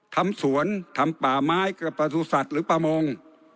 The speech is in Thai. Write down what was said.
ทำสวนทำป่าไม้กับประสุทธิ์หรือประมง